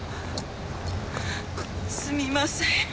すみません。